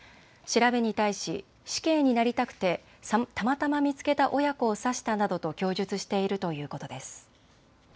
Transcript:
調べに対し死刑になりたくてたまたま見つけた親子を刺したなどと供述しているということです。